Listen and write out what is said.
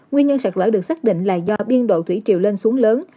nguyên nhân sạt lở được xác định là do biên độ thủy triều lên xuống lớn